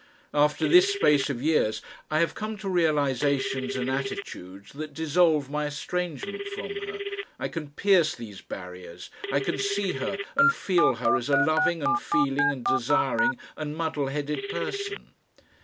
After this space of years I have come to realisations and attitudes that dissolve my estrangement from her, I can pierce these barriers, I can see her and feel her as a loving and feeling and desiring and muddle headed person.